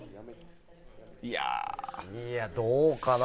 いや、どうかな。